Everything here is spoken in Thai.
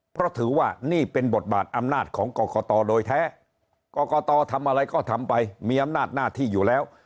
เพราะถือว่านี่เป็นบทบาทอำนาจของกรกตโดยแท้กรกตทำอะไรก็ทำไปมีอำนาจหน้าที่อยู่แล้ว